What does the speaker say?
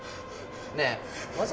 ねえ。